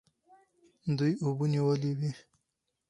دوی اوبه نیولې وې.